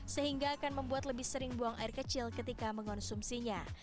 sehingga akan membuat lebih sering buang air kecil ketika mengonsumsinya